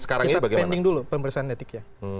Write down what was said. kita pending dulu pemeriksaan etiknya